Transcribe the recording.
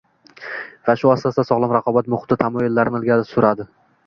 va shu asosda sog‘lom raqobat muhiti tamoyillarini ilgari suradi;